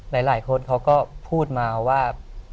หลายคนเขาก็พูดมาว่า